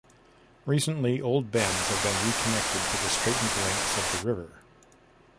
Recently old bends have been reconnected to the straightened lengths of the river.